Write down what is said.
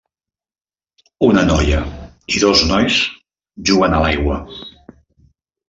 Una noia i dos nois juguen a l'aigua.